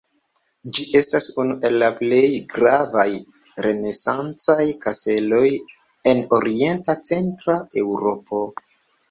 Ĝi estas unu el la plej gravaj renesancaj kasteloj en orienta centra Eŭropo.